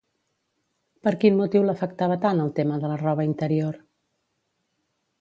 Per quin motiu l'afectava tant el tema de la roba interior?